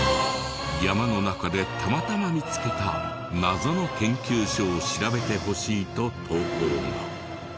山の中でたまたま見つけた謎の研究所を調べてほしいと投稿が。